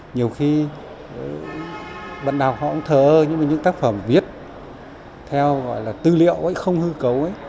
nhiều khi bận đào họ cũng thờ ơ nhưng mà những tác phẩm viết theo gọi là tư liệu không hư cấu